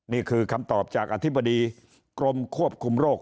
นี่คือคำตอบจากอธิบดีกรมควบคุมโรค